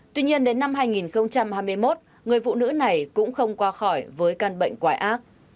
tuy nhiên đến năm hai nghìn hai mươi một người phụ nữ này cũng không qua khỏi với căn bệnh quái ác